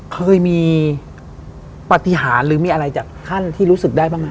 เคยมีปฏิหารหรือมีอะไรจากท่านที่รู้สึกได้บ้างไหม